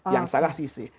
yang salah sih c